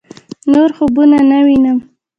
نور خوبونه نه وينم